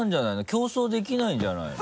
競走できないんじゃないの？